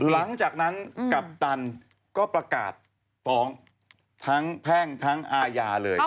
หลังจากนั้นกัปตันก็ประกาศฟ้องทั้งแพ่งทั้งอาญาเลย